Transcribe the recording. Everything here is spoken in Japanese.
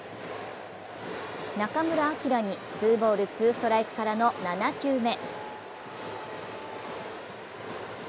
中村晃にツーボールツーストライクからの７球目。